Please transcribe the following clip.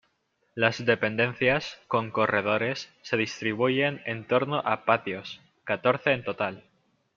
Las dependencias, con corredores, se distribuyen en torno a patios -catorce en total-.